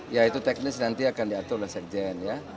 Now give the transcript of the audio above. ya itu teknis nanti akan diatur oleh sekjen ya